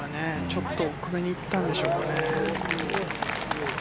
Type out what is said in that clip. ちょっと奥めにいったんですかね。